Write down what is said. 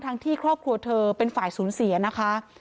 ที่ครอบครัวเธอเป็นฝ่ายสูญเสียนะคะ